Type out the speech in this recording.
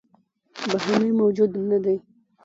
بهرنى موجود نه دى